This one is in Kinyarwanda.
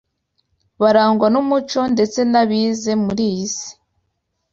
barangwa n’umuco ndetse n’abize muri iyi si